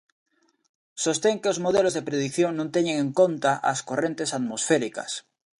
Sostén que os modelos de predición non teñen en conta as correntes atmosféricas.